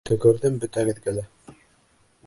Төкөрҙөм бөтәгеҙгә лә!